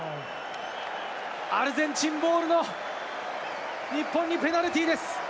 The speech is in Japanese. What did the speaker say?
アルゼンチンボールの日本にペナルティーです。